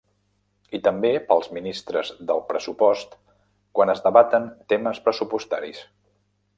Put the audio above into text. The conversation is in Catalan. I també pels ministres del pressupost quan es debaten temes pressupostaris.